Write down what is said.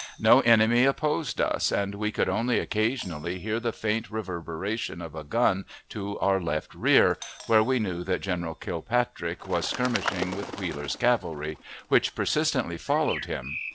No enemy opposed us, and we could only occasionally hear the faint reverberation of a gun to our left rear, where we knew that General Kilpatrick was skirmishing with Wheeler's cavalry, which persistently followed him.